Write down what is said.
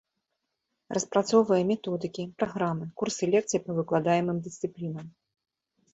Распрацоўвае методыкі, праграмы, курсы лекцый па выкладаемым дысцыплінам.